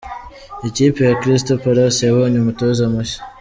Ikipe ya Crystal Palace yabonye umutoza mushya.